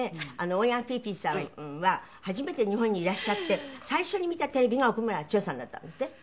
欧陽菲菲さんは初めて日本にいらっしゃって最初に見たテレビが奥村チヨさんだったんですって？